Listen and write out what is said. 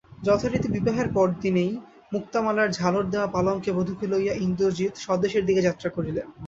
যথারীতি বিবাহের পরদিনেই মুক্তামালার-ঝালর-দেওয়া পালঙ্কে বধূকে লইয়া ইন্দ্রজিৎ স্বদেশের দিকে যাত্রা করিলেন।